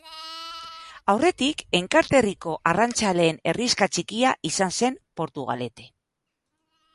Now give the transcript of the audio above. Aurretik, Enkarterriko arrantzaleen herrixka txikia izan zen Portugalete.